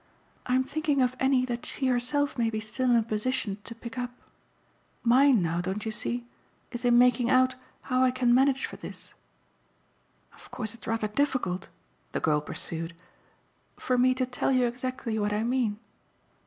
I'm thinking of any that she herself may be still in a position to pick up. Mine now, don't you see? is in making out how I can manage for this. Of course it's rather difficult," the girl pursued, "for me to tell you exactly what I mean."